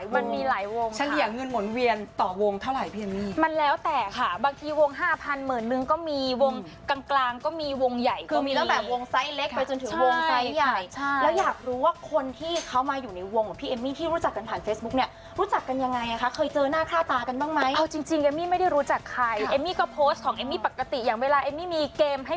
ก็มีวงกลางก็มีวงใหญ่คือมีแล้วแบบวงไซส์เล็กไปจนถึงวงไซส์ใหญ่ใช่แล้วอยากรู้ว่าคนที่เขามาอยู่ในวงของพี่แอมมี่ที่รู้จักกันผ่านเฟซบุ๊กเนี่ยรู้จักกันยังไงอะคะเคยเจอหน้าฆ่าตากันบ้างไหมเอาจริงแอมมี่ไม่ได้รู้จักใครแอมมี่ก็โพสต์ของแอมมี่ปกติอย่างเวลาแอมมี่มีเกมให